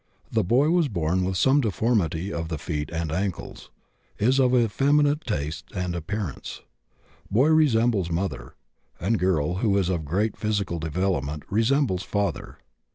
The boy was born with some deformity of the feet and ankles; is of effeminate tastes and appearance. Boy resembles mother, and girl, who is of great physical development, resembles father.